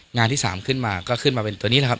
งานที่๓ขึ้นมาก็ขึ้นมาเป็นตัวนี้แหละครับ